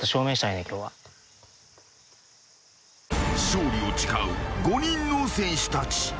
［勝利を誓う５人の戦士たち］